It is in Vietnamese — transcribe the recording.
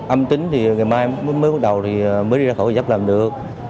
âm tính thì ngày mai mới bắt đầu thì mới đi ra khỏi hội dấp làm được